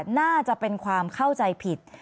คุณประทีบขอแสดงความเสียใจด้วยนะคะ